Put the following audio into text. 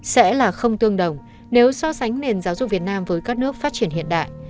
sẽ là không tương đồng nếu so sánh nền giáo dục việt nam với các nước phát triển hiện đại